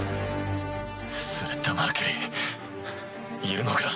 スレッタ・マーキュリーいるのか？